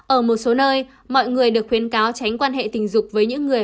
ở một số nơi mọi người được khuyến cáo tránh quan hệ tình dục với những người